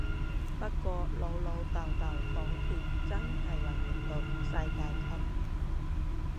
不過老老豆豆黨鐵真係營運到世界級